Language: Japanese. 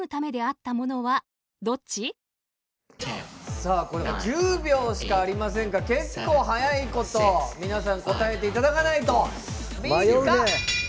さあ、これは１０秒しかありませんから結構早いこと皆さん答えていただかないと。